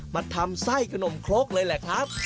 มาทำไส้ขนมครกเลยแหละครับ